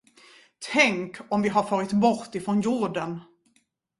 Tänk, om vi har farit bort ifrån jorden!